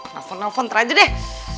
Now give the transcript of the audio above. nelfon nafon terlalu deh